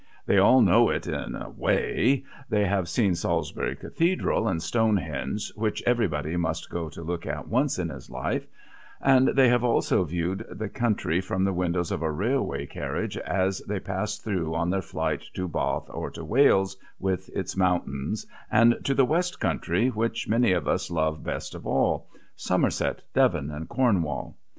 They all know it "in a way"; they have seen Salisbury Cathedral and Stonehenge, which everybody must go to look at once in his life; and they have also viewed the country from the windows of a railroad carriage as they passed through on their flight to Bath and to Wales with its mountains, and to the west country, which many of us love best of all Somerset, Devon, and Cornwall.